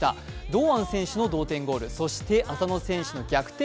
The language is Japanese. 堂安選手の同点ゴール、そして浅野選手の逆転